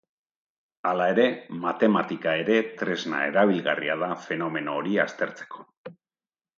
Hala ere, matematika ere tresna erabilgarria da fenomeno hori aztertzeko.